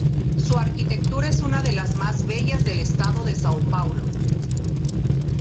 Su arquitectura es una de las más bellas del estado de Sao Paulo.